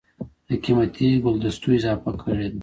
دَ قېمتي ګلدستو اضافه کړې ده